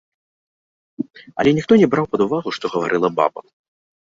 Але ніхто не браў пад увагу, што гаварыла баба.